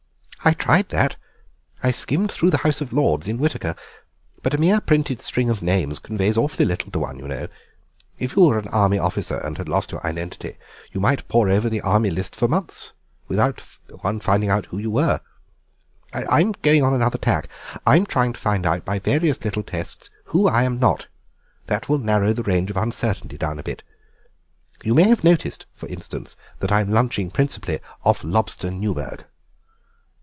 "I tried that. I skimmed through the list of the House of Lords in 'Whitaker,' but a mere printed string of names conveys awfully little to one, you know. If you were an army officer and had lost your identity you might pore over the Army List for months without finding out who your were. I'm going on another tack; I'm trying to find out by various little tests who I am not—that will narrow the range of uncertainty down a bit. You may have noticed, for instance, that I'm lunching principally off lobster Newburg."